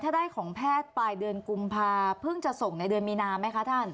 ถ้าได้ของแพทย์ปลายเดือนกุมภาเพิ่งจะส่งในเดือนมีนาไหมคะท่าน